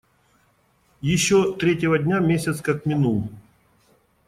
Еще третьего дня месяц как минул.